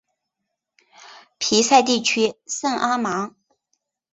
皮赛地区圣阿芒。